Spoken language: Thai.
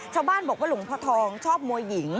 ชาวบ้านบอกว่าหลวงพ่อทองชอบมวยหญิง